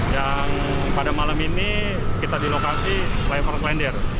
yang pada malam ini kita dilokasi flyover klender